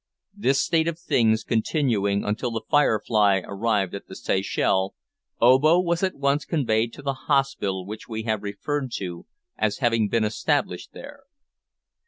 This state of things continuing until the `Firefly' arrived at the Seychelles, Obo was at once conveyed to the hospital which we have referred to as having been established there.